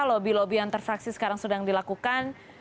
lobby lobby yang terfraksi sekarang sedang dilakukan